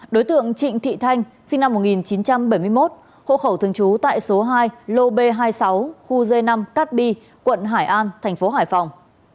đối tượng trịnh thị thanh sinh năm một nghìn chín trăm bảy mươi một hộ khẩu thường trú tại số hai lô b hai mươi sáu khu g năm cát bi quận hải an thành phố hải phòng